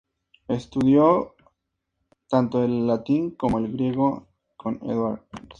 Estudió tanto el latín como el griego con Eduard Gans.